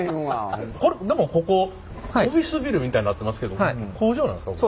これでもここオフィスビルみたいになってますけど工場なんですか？